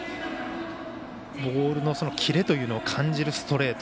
ボールのキレというのを感じるストレート。